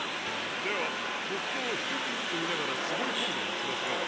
ではとくちょうをひとつずつみながらしぼりこんでいきましょう。